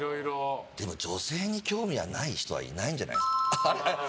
でも、女性に興味がない人はいないんじゃないですか？